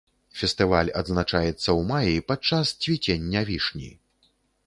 Фестываль адзначаецца ў маі падчас цвіцення вішні.